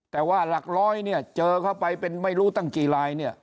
แต่ว่าหลักร้อยเนี่ยเจอเข้าไปเป็นไม่รู้ตั้งกี่ลายเนี่ย